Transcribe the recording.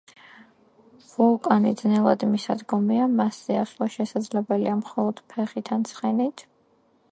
ვულკანი ძნელად მისადგომია, მასზე ასვლა შესაძლებელია მხოლოდ ფეხით ან ცხენით.